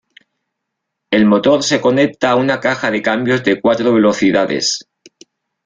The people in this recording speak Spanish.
El motor se conecta a una caja de cambios de cuatro velocidades.